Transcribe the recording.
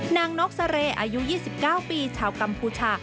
นกซาเรย์อายุ๒๙ปีชาวกัมพูชา